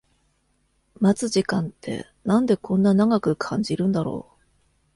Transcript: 待つ時間ってなんでこんな長く感じるんだろう